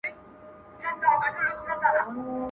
• که هرڅو صاحب د علم او کمال یې..